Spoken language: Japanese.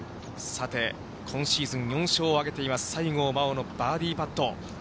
さて、今シーズン４勝を挙げています、西郷真央のバーディーパット。